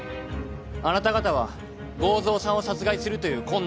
あなた方は剛蔵さんを殺害するという困難な犯行を